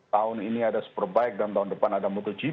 tahun ini ada superbike dan tahun depan ada motogp